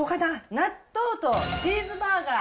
納豆とチーズバーガー。